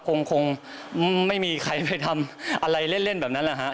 คงไม่มีใครไปทำอะไรเล่นแบบนั้นแหละฮะ